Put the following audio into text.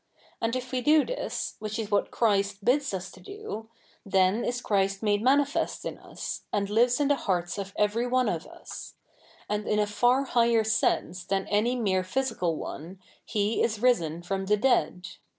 A7id if we do this, ivhich is what Christ bids us to do, then is Christ made 77ianifest in us, a7id lives in the hearts of every one of us ; and in a far higher sense tha7i any mere physical o)ie, He is 7 ise7i fro7n the dead.